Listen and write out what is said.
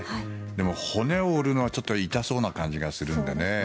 でも骨を折るのは、ちょっと痛そうな感じがするんでね。